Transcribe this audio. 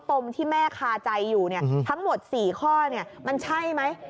มที่แม่คาใจอยู่ทั้งหมด๔ข้อมันใช่ไหม